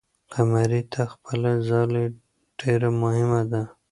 قمري ته خپله ځالۍ ډېره مهمه ده.